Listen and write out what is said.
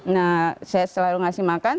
nah saya selalu ngasih makan